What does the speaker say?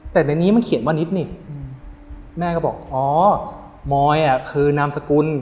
แต่ในนี้มันเขียนว่านิดนิกแม่ก็บอกอ๋อมอยคือนามสกุล